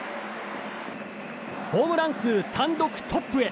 ホームラン数単独トップへ。